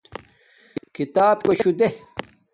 کھیتاپ کوشو دے